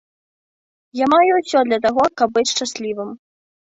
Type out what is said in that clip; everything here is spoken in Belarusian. Я маю ўсё для таго, каб быць шчаслівым.